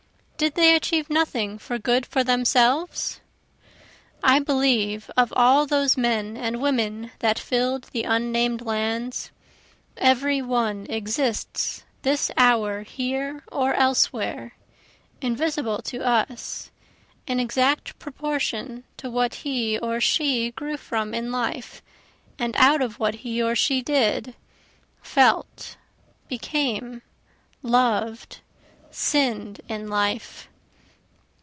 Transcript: Did they achieve nothing for good for themselves? I believe of all those men and women that fill'd the unnamed lands, every one exists this hour here or elsewhere, invisible to us. In exact proportion to what he or she grew from in life, and out of what he or she did, felt, became, loved, sinn'd, in life.